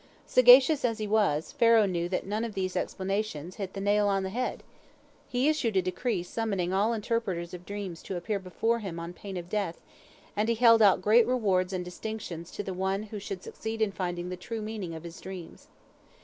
Sagacious as he was, Pharaoh knew that none of these explanations hit the nail on the head. He issued a decree summoning all interpreters of dreams to appear before him on pain of death, and he held out great rewards and distinctions to the one who should succeed in finding the true meaning of his dreams.